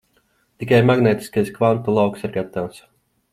Tikai magnētiskais kvantu lauks ir gatavs.